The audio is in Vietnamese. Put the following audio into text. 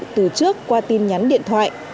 từ trước qua tin nhắn điện thoại